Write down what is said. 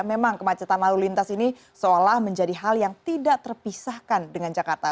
memang kemacetan lalu lintas ini seolah menjadi hal yang tidak terpisahkan dengan jakarta